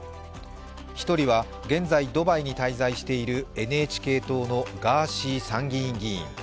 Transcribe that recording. １人は現在ドバイに滞在しているＮＨＫ党のガーシー参議院議員。